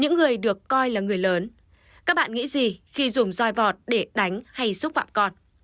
những người được coi là người lớn các bạn nghĩ gì khi dùng roi vọt để đánh hay xúc phạm con